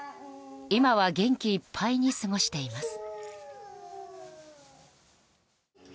今は元気いっぱいに過ごしています。